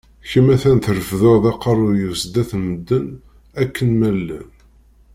Kemm a-t-an trefdeḍ aqerruy-iw sdat n medden akken ma llan.